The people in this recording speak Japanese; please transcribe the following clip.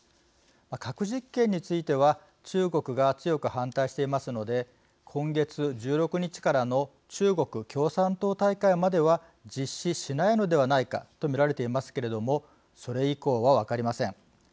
核実験については中国が強く反対していますので今月１６日からの中国共産党大会までは実施しないのではないかと見られていますけれどもそれ以降は分かりません。